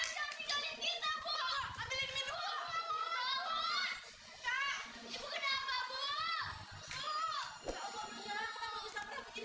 kak diminum kak nanti keburu dingin